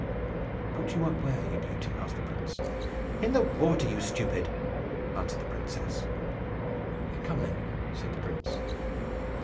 "Put you up where, you beauty?" asked the prince. "In the water, you stupid!" answered the princess. "Come, then," said the prince.